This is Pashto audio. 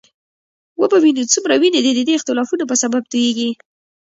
وبه وینو څومره وینې د دې اختلافونو په سبب تویېږي.